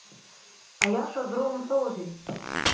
Аиаша зроумҳәозеи?!